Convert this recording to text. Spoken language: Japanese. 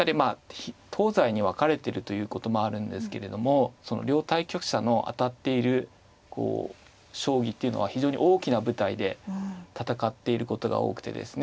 東西に分かれてるということもあるんですけれども両対局者の当たっている将棋っていうのは非常に大きな舞台で戦っていることが多くてですね